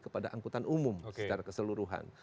kepada angkutan umum secara keseluruhan